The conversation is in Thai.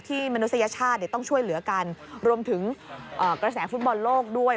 มนุษยชาติต้องช่วยเหลือกันรวมถึงกระแสฟุตบอลโลกด้วย